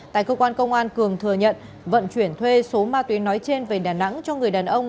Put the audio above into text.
tại cơ quan công an cường thừa nhận vận chuyển thuê số ma túy nói trên về đà nẵng cho người đàn ông